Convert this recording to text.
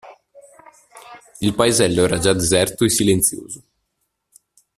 Il paesello era già deserto e silenzioso.